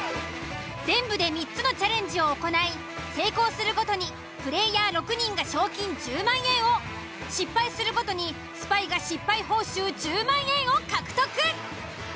全部で３つのチャレンジを行い成功するごとにプレイヤ―６人が賞金１０万円を失敗するごとにスパイが失敗報酬１０万円を獲得。